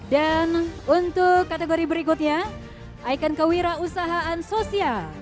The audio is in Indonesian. dan untuk kategori berikutnya ikon kewirausahaan sosial